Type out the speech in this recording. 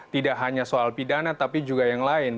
tidak hanya soal pidana tapi juga yang lain